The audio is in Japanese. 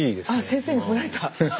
先生に褒められた。